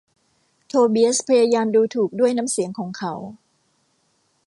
โทเบียสพยายามดูถูกด้วยน้ำเสียงของเขา